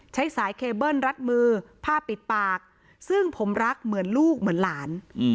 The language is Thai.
ใช้สายเคเบิ้ลรัดมือผ้าปิดปากซึ่งผมรักเหมือนลูกเหมือนหลาน